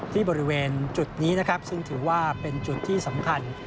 ที่บริเวณจุดนี้นะครับซึ่งถือว่าเป็นจุดที่สำคัญ